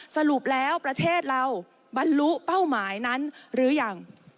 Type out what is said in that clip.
สรุปแล้วประเทศเราบรรลุเป้าหมายนั้นหรือยัง